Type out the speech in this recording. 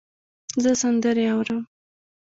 زه سندرې اورم.